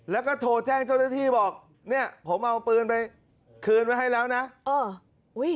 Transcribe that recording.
แล้วก็โทรแจ้งเจ้าหน้าที่บอกเนี่ยผมเอาปืนไปคืนไว้ให้แล้วนะเอออุ้ย